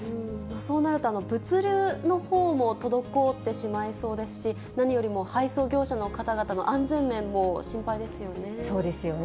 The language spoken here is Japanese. そうなると、物流のほうも滞ってしまいそうですし、何よりも配送業者の方々の安全面も心配ですよね。